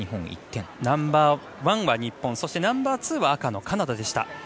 ナンバーワンは日本そしてナンバーツーは赤のカナダ。